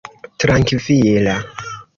trankvila